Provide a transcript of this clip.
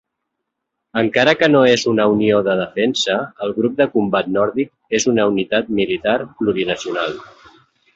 Encara que no és una unió de defensa, el Grup de Combat Nòrdic és una unitat militar plurinacional.